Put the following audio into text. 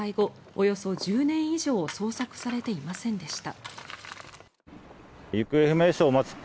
およそ１０年以上捜索されていませんでした。